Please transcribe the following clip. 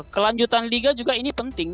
kelanjutan liga juga ini penting